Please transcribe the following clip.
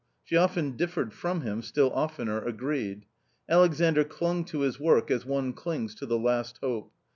She often differed from him, still oftener agreed. Alexandr clung to his work, as one clings to the last hope.